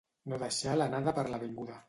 No deixar l'anada per la vinguda.